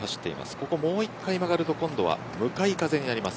ここも１回曲がると今度は向かい風になります。